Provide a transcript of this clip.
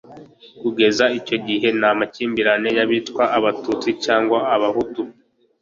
kugeza icyo gihe nta makimbirane y'abitwa abatutsi cyangwa abahutu